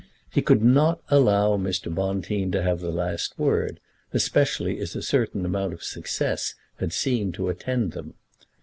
He could not allow Mr. Bonteen to have the last word, especially as a certain amount of success had seemed to attend them.